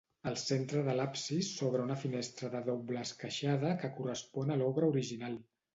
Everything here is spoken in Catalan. Al centre de l'absis s'obre una finestra de doble esqueixada que correspon a l'obra original.